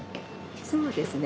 そうですね。